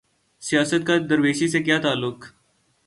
سیاست کا درویشی سے کیا تعلق؟